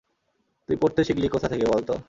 তুই পড়তে শিখলি কোথা থেকে বলতো?